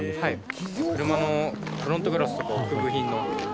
車のフロントガラスとか置く部品の。